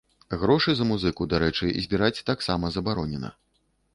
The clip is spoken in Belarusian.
Грошы за музыку, дарэчы, збіраць таксама забаронена.